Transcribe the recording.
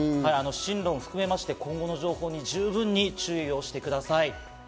進路も含めまして、今後の予報に十分注意してください。